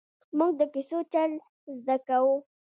ـ مونږ د کیسو چل زده کاوه!